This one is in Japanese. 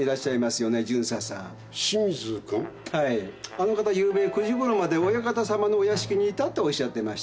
あの方「ゆうべ９時ごろまでお館様のお屋敷にいた」とおっしゃってました。